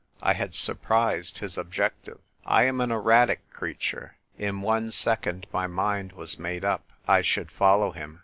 I had sur prised his objective. I am an erratic creature. In one second my mind was made up. I should follow him.